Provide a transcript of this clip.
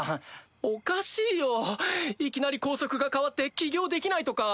おかしいよいきなり校則が変わって起業できないとか。